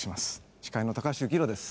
司会の高橋幸宏です。